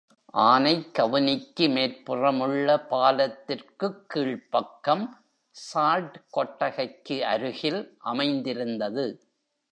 ஆனைக்கவுனிக்கு மேற்புறமுள்ள பாலத்திற்குக் கீழ்ப்பக்கம், சால்ட்கொட்டகைக்கு அருகில் அமைந்திருந்தது.